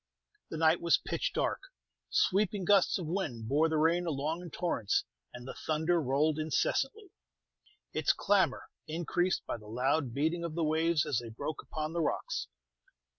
The night was pitch dark; sweeping gusts of wind bore the rain along in torrents, and the thunder rolled incessantly, its clamor increased by the loud beating of the waves as they broke upon the rocks.